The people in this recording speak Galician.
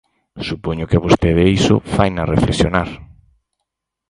Supoño que a vostede iso faina reflexionar.